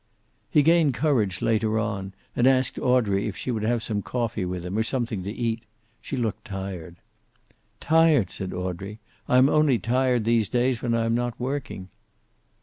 He gained courage, later on, and asked Audrey if she would have some coffee with him, or something to eat. She looked tired. "Tired!" said Audrey. "I am only tired these days when I am not working."